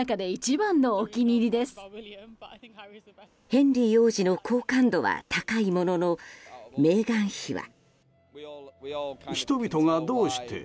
ヘンリー王子の好感度は高いものの、メーガン妃は。